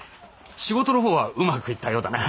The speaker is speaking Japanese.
仕事の方はうまくいったようだな。